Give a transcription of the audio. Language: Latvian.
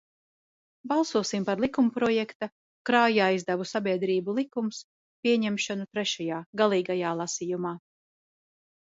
"Balsosim par likumprojekta "Krājaizdevu sabiedrību likums" pieņemšanu trešajā, galīgajā, lasījumā."